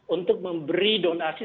untuk memberi donasi